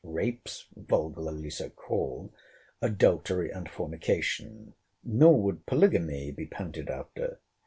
—Rapes, vulgarly so called; adultery, and fornication; nor would polygamy be panted after.